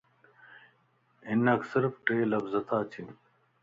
ھنک صرف ٽي لفظ تا اچين